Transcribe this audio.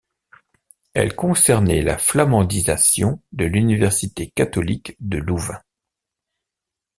Elle concernait la flamandisation de l'Université catholique de Louvain.